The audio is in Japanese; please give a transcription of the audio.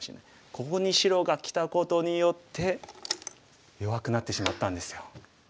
ここに白がきたことによって弱くなってしまったんですよ。